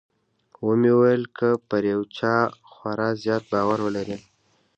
ومې ويل که پر يو چا خورا زيات باور ولرې.